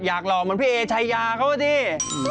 อยากหลอกเหมือนพี่เอ๋ชัยาเขาสิ